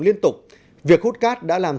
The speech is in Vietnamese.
liên tục việc hút cát đã làm